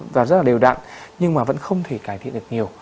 và rất là đều đặn nhưng mà vẫn không thể cải thiện được nhiều